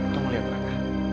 kamu liat mereka